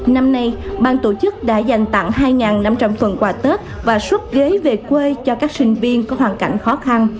năm nay bang tổ chức đã dành tặng hai năm trăm linh phần quà tết và xuất ghế về quê cho các sinh viên có hoàn cảnh khó khăn